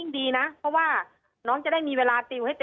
ตอนที่จะไปอยู่โรงเรียนนี้แปลว่าเรียนจบมไหนคะ